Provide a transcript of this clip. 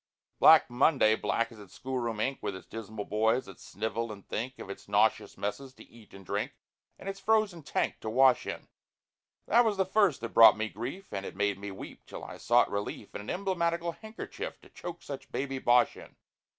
Black Monday—black as its school room ink— With its dismal boys that snivel and think Of its nauseous messes to eat and drink, And its frozen tank to wash in. That was the first that brought me grief, And made me weep, till I sought relief In an emblematical handkerchief, To choke such baby bosh in.